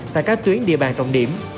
tại các tuyến địa bàn trọng điểm